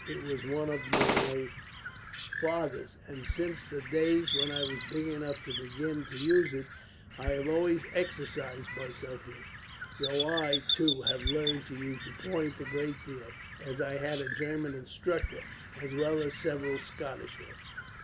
"It was one of my father's, and since the days when I was big enough to begin to use it, I have always exercised myself with it; though I, too, have learned to use the point a great deal, as I had a German instructor, as well as several Scottish ones."